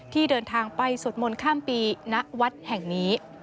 ที่เดินทางไปสวดมนต์ข้ามปีณวัดแห่งนี้